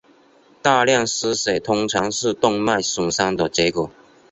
大量失血通常是动脉损伤的结果。